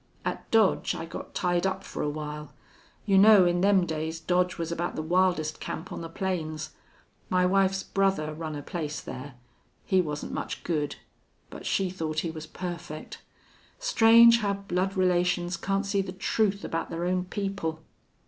At Dodge I got tied up for a while. You know, in them days Dodge was about the wildest camp on the plains. My wife's brother run a place there. He wasn't much good. But she thought he was perfect. Strange how blood relations can't see the truth about their own people!